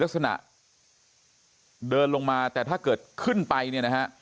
คือหัวหน้าหน่วยฉลามทองปัตตานีชุดสยบสึกที่ลงพื้นที่ไปวันนี้ค่ะเป็นชุดที่พบรอยเท้านี้แหละ